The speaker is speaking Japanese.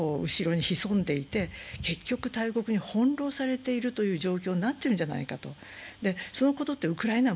例えば中国と欧米が後ろに潜んでいて、結局、大国に翻弄されているという状況になっているんじゃないかと。